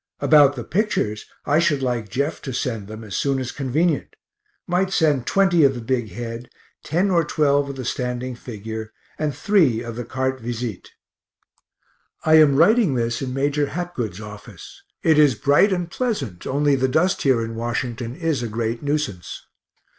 About the pictures, I should like Jeff to send them, as soon as convenient might send 20 of the big head, 10 or 12 of the standing figure, and 3 of the carte visite. I am writing this in Major Hapgood's office it is bright and pleasant, only the dust here in Washington is a great nuisance.